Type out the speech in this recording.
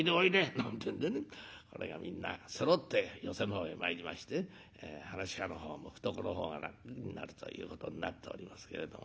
なんてえんでねこれがみんなそろって寄席の方へ参りまして噺家の方を向くと楽になるということになっておりますけれども。